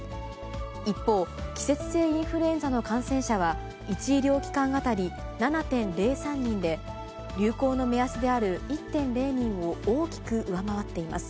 一方、季節性インフルエンザの感染者は１医療機関当たり７．０３人で、流行の目安である１．０人を大きく上回っています。